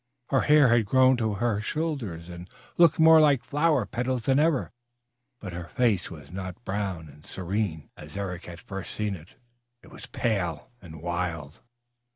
Her hair had grown to her shoulders and looked more like flower petals than ever. But her face was not brown and serene, as Eric had first seen it. It was pale and wild.